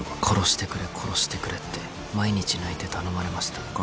「殺してくれ殺してくれって毎日泣いて頼まれました」